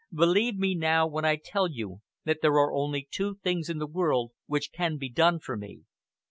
Believe me now when I tell you that there are only two things in the world which can be done for me.